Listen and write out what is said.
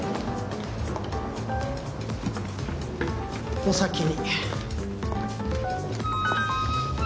お先に！